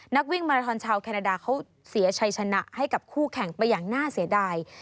นักวิ่งมาราทอนชาวแคนาดาเขาเสียชัยชนะให้กับคู่แข่งไปอย่างน่าเสียดาย